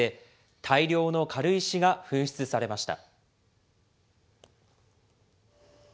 大量の軽石が噴出されました。